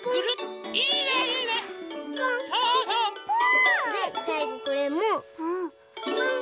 ぽぅ！でさいごこれもポン！